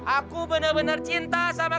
aku benar benar cinta sama